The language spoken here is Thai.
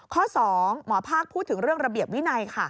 ข้อ๒หมอภาคพูดถึงเรื่องระเบียบวินัยค่ะ